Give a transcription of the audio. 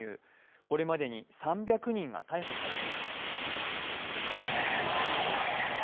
これまでに３００人が逮捕されています。